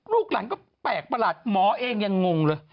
ลูกหลานก็แปลกประหลาดหมอเองยังงงเลย